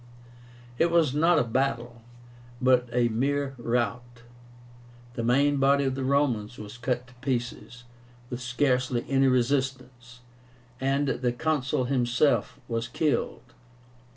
It was not a battle, but a mere rout. The main body of the Romans was cut to pieces, with scarcely any resistance, and the Consul himself was killed.